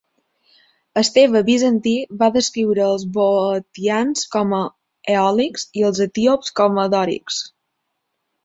Esteve Bizantí va descriure els beotians com a eòlics i els etíops com a dòrics.